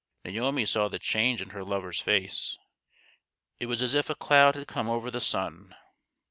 Naomi saw the change in her lover's face it was as if a cloud had come over the sun.